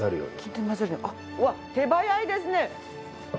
うわっ手早いですね。